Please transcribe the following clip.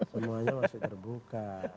semuanya masih terbuka